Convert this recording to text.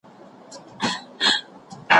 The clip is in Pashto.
د مېرمني د کار کولو شرطونه کوم دي؟